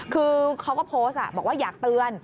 คือเขาก็โพสต์บอกว่าอยากเตือน